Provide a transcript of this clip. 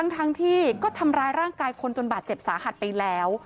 ทั้งที่ก็ทำร้ายร่างกายคนจนบาดเจ็บสาหัสไปแล้ว